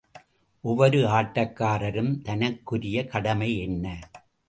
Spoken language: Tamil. ஒவ்வொரு ஆட்டக்காரரும் தனக்குரிய கடமை என்ன?